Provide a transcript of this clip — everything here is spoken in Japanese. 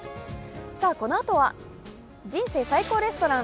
このあとは「人生最高レストラン」。